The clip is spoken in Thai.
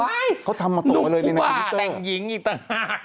ทำไงหนุ่มปูบาดแต่งหญิงอีกต่างหากเขาทำมาต่อไปเลยในทวิตเตอร์